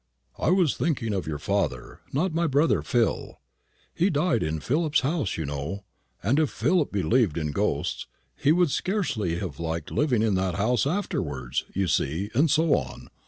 "I was thinking of your father not my brother Phil. He died in Philip's house, you know; and if Phil believed in ghosts, he would scarcely have liked living in that house afterwards, you see, and so on.